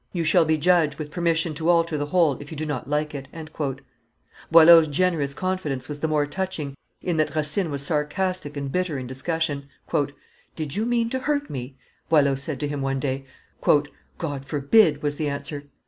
You shall be judge, with permission to alter the whole, if you do not like it." Boileau's generous confidence was the more touching, in that Racine was sarcastic and bitter in discussion. "Did you mean to hurt me?" Boileau said to him one day. "God forbid!" was the answer.